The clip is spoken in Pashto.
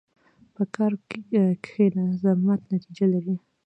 په کار کښېنه، زحمت نتیجه لري.